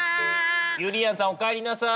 ゆりやんさんおかえりなさい！